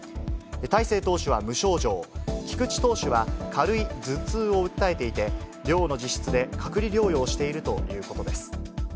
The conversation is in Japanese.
大勢投手は無症状、菊地投手は軽い頭痛を訴えていて、寮の自室で隔離療養しているということです。